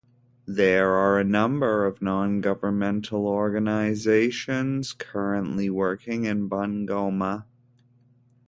There are a number of non-governmental organizations currently working in Bungoma.